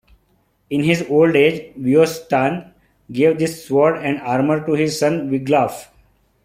In his old age, Weohstan gave this sword and armor to his son Wiglaf.